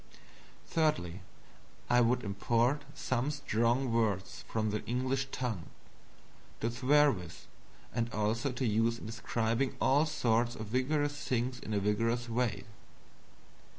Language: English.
Thirdly, I would import some strong words from the English tongue to swear with, and also to use in describing all sorts of vigorous things in a vigorous way.